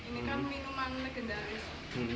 ini kan minuman legendaris